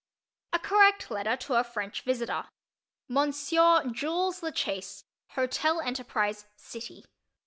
A CORRECT LETTER TO A FRENCH VISITOR Monsieur Jules La Chaise, Hotel Enterprise, City.